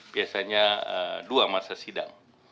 biasanya dua masa sidang